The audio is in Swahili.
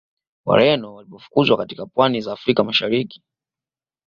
Wareno walipofukuzwa katika pwani za Afrika ya Mashariki